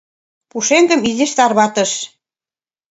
Пушеҥгым изиш тарватыш.